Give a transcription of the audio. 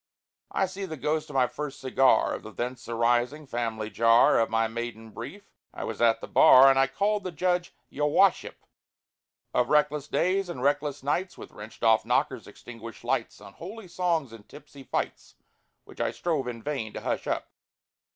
I see the ghost of my first cigar, Of the thence arising family jar— Of my maiden brief (I was at the Bar, And I called the Judge "Your wushup!") Of reckless days and reckless nights, With wrenched off knockers, extinguished lights, Unholy songs and tipsy fights, Which I strove in vain to hush up.